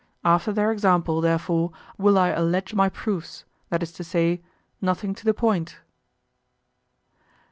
After their example, therefore, will I allege my proofs, that is to say, nothing to the point.